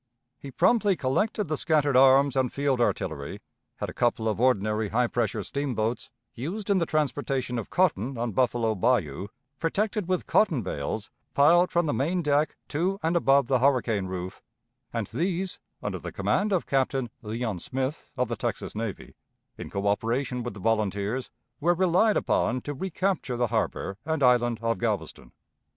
He promptly collected the scattered arms and field artillery, had a couple of ordinary high pressure steamboats used in the transportation of cotton on Buffalo Bayou protected with cotton bales piled from the main deck to and above the hurricane roof, and these, under the command of Captain Leon Smith, of the Texas Navy, in coöperation with the volunteers, were relied upon to recapture the harbor and island of Galveston.